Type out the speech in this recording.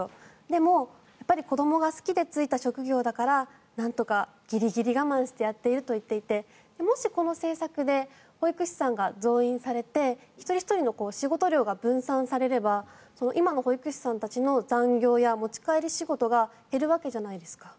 でも、子どもが好きで就いた職業だからなんとかギリギリ我慢してやっていると言っていてもし、この政策で保育士さんが増員されて一人ひとりの仕事量が分散されれば今の保育士さんたちの残業や持ち帰り仕事が減るわけじゃないですか。